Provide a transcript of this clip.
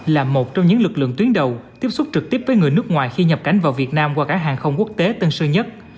là một trong những lực lượng tuyến đầu tiếp xúc trực tiếp với người nước ngoài khi nhập cảnh vào việt nam qua cảng hàng không quốc tế tân sơn nhất